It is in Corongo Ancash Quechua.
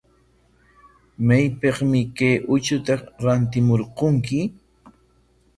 ¿Maypikmi kay uchuta rantimurqunki?